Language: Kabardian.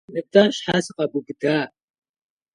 Нтӏэ щхьэ сыкъэбубыда?